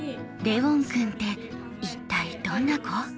レウォン君って一体どんな子？